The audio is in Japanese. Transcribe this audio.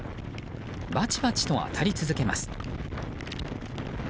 バチバチと当たり続けます。